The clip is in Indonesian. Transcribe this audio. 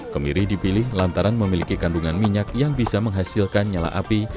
kemiri dipilih lantaran memiliki kandungan minyak yang bisa menghasilkan nyala api